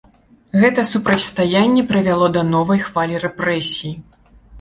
Гэта супрацьстаянне прывяло да новай хвалі рэпрэсій.